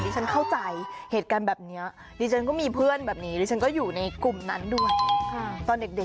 ฉันเข้าใจเหตุการณ์แบบนี้ดิฉันก็มีเพื่อนแบบนี้ดิฉันก็อยู่ในกลุ่มนั้นด้วยตอนเด็ก